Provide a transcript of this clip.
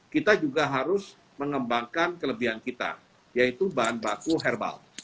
kita juga harus mengembangkan kelebihan kita yaitu bahan baku herbal